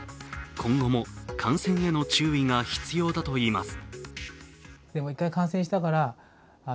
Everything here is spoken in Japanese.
今後も感染への注意が必要だといいます。